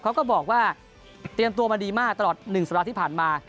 เขาก็บอกว่าเตรียมตัวมาดีมากตลอด๑สัปดาห์ที่ผ่านมา